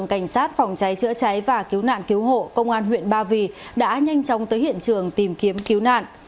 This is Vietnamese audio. cảnh sát phòng cháy chữa cháy và cứu nạn cứu hộ công an huyện ba vì đã nhanh chóng tới hiện trường tìm kiếm cứu nạn